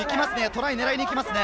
トライを狙いに行きますね。